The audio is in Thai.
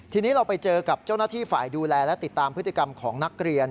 ทีนี้เราไปเจอกับเจ้าหน้าที่ฝ่ายดูแลและติดตามพฤติกรรมของนักเรียน